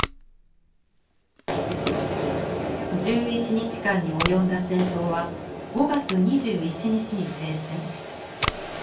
１１日間に及んだ戦闘は５月２１日に停戦。